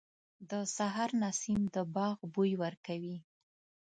• د سهار نسیم د باغ بوی ورکوي.